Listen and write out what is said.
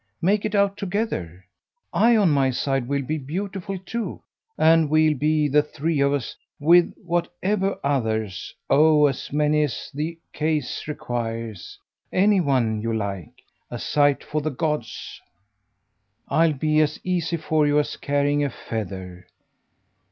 Make it out together. I, on my side, will be beautiful too, and we'll be the three of us, with whatever others, oh as many as the case requires, any one you like! a sight for the gods. I'll be as easy for you as carrying a feather."